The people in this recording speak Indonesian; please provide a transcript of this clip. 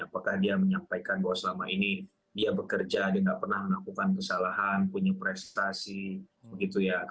apakah dia menyampaikan bahwa selama ini dia bekerja dia nggak pernah melakukan kesalahan punya prestasi begitu ya